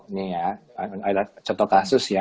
ini ya adalah contoh kasus ya